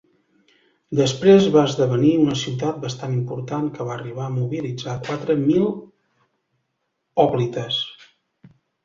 Després va esdevenir una ciutat bastant important que va arribar a mobilitzar quatre mil hoplites.